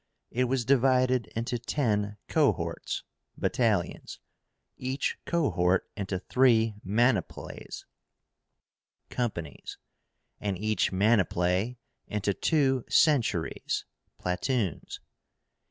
It was divided into ten cohorts (battalions), each cohort into three maniples (companies), and each maniple into two centuries (platoons).